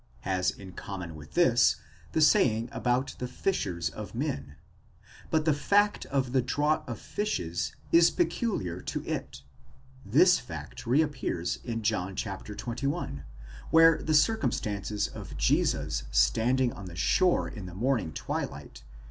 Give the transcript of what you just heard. has in common with this the saying about the fishers of men, but the fact of the draught of fishes is peculiar to it; this fact reappears in John xxi., where the circumstances of Jesus standing on the shore in the morning twilight.